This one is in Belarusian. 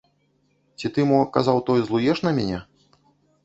Ці ты мо , казаў той, злуеш на мяне?